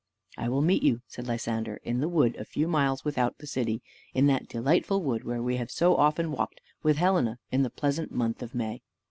"I will meet you," said Lysander, "in the wood a few miles without the city; in that delightful wood where we have so often walked with Helena in the pleasant month of May."